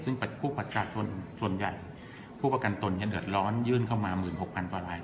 ซึ่งผู้ประชาชนส่วนใหญ่ผู้ประกันตนเนี้ยเดิดร้อนยื่นเข้ามาหมื่นหกพันธุ์ประมาณ